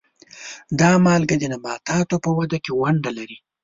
دا مالګه د نباتاتو په وده کې ونډه لري.